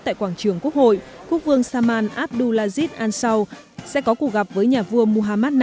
tại quảng trường quốc hội quốc vương saman abdulaziz ansau sẽ có cuộc gặp với nhà vua muhammad v